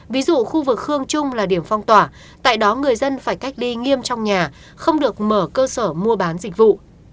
ví dụ khu vực khương trung là điểm phong tỏa tại đó người dân phải cách ly nghiêm trong nhà không được mở cơ sở mua bán dịch vụ